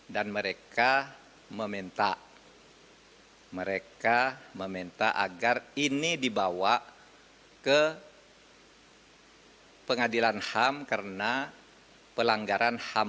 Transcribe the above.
dan mereka meminta agar ini dibawa ke pengadilan ham karena pelanggaran ham